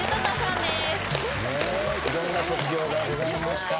いろんな卒業がございました。